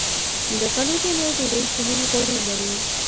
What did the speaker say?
له غلو- دانو ډوډۍ صحي غوړي لري.